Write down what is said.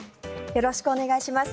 よろしくお願いします。